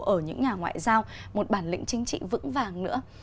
ở những nhà ngoại giao một bản lĩnh chính trị vững vàng nữa